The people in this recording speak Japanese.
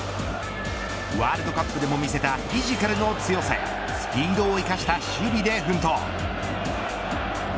ワールドカップでも見せたフィジカルの強さやスピードを生かした守備で奮闘。